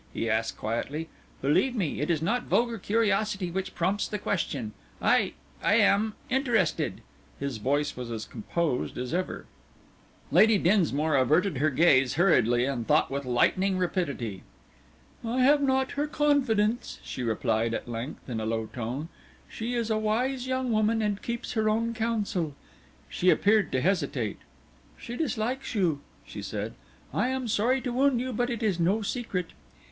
he asked quietly. "Believe me, it is not vulgar curiosity which prompts the question. I I am interested." His voice was as composed as ever. Lady Dinsmore averted her gaze hurriedly and thought with lightning rapidity. "I have not her confidence," she replied at length, in a low tone; "she is a wise young woman and keeps her own counsel." She appeared to hesitate. "She dislikes you," she said. "I am sorry to wound you, but it is no secret."